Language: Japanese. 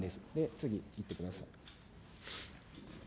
次いってください。